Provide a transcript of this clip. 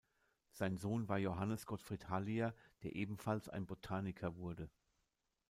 Sein Sohn war Johannes Gottfried Hallier, der ebenfalls ein Botaniker wurde.